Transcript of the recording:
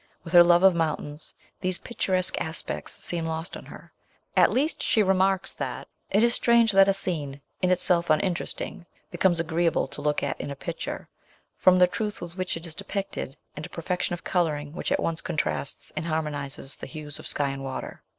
With her love of mountains, these picturesque aspects seem lost on her; at least, she remarks that, " It is strange that a scene, in itself uninteresting, becomes agreeable to look at in a picture, from the truth with which it is depicted, and a perfection of colouring which at once contrasts and harmonizes the hues of sky and water."